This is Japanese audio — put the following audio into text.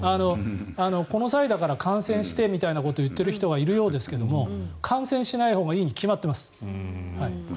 この際だから感染してみたいなことを言っている人がいるみたいですけど感染しないほうがいいに決まってます。